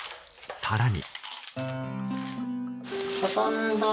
更に。